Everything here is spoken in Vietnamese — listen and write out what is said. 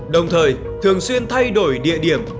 đồng thời thường xuyên thay đổi địa điểm